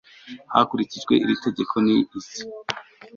hakurikijwe iri tegeko ni izi